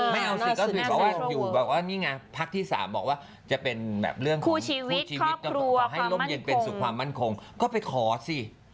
อ๋อไม่เอาก็อยู่บอกว่านี่ไงพักที่สามบอกว่าจะเป็นแบบคู่ชีวิตครอบครัวฟังมั่นคงก็ไปขอสิ